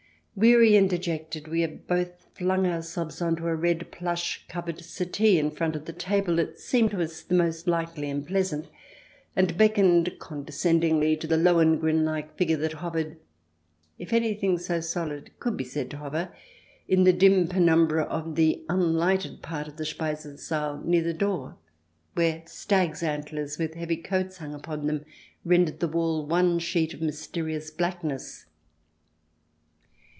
Weary and dejected, we had both flung ourselves on to a CH. x] WAITERS AND POLICEMEN 143 red plush covered settee in front of a table that seemed to us the most likely and pleasant, and beckoned condescendingly to the Lohengrin like figure that hovered — if anything so solid could be said to hover — in the dim penumbra of the unlighted part of the Speisesaal near the door, where stag's antlers, with heavy coats hung upon them, rendered the wall one sheet of mysterious blackness.